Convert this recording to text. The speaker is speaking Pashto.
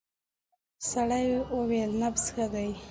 سړی وویل نبض ښه دی.